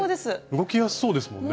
動きやすそうですもんね。